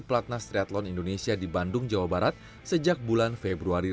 karena sea games pertama semoga bisa membawa pulang medali